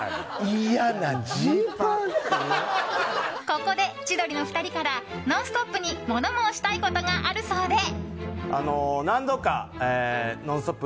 ここで千鳥の２人から「ノンストップ！」に物申したいことがあるそうで。